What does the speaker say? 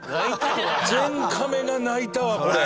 全カメが泣いたわ、これ。